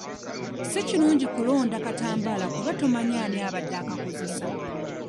Si kirungi kulonda katambaala kuba tomanyi ani abadde akakozesa.